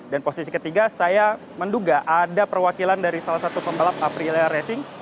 dan posisi ketiga saya menduga ada perwakilan dari salah satu pembalap aprilia racing